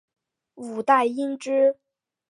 五代因之。